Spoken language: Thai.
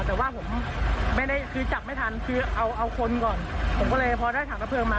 แต่ว่าผมไม่ได้คือจับไม่ทันคือเอาเอาคนก่อนผมก็เลยพอได้ถังกระเพลิงมา